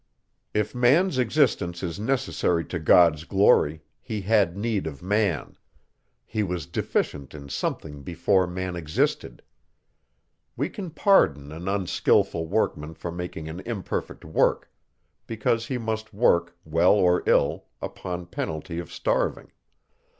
If man's existence is necessary to God's glory, he had need of man; he was deficient in something before man existed. We can pardon an unskilful workman for making an imperfect work; because he must work, well or ill, upon penalty of starving.